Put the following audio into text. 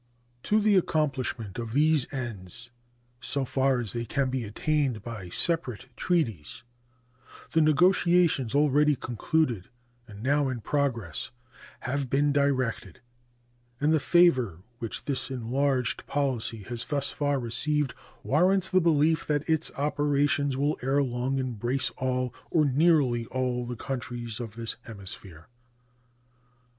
To the accomplishment of these ends, so far as they can be attained by separate treaties, the negotiations already concluded and now in progress have been directed; and the favor which this enlarged policy has thus far received warrants the belief that its operations will ere long embrace all, or nearly all, the countries of this hemisphere.